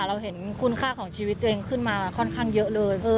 เราเห็นคุณค่าของชีวิตตัวเองขึ้นมาค่อนข้างเยอะเลย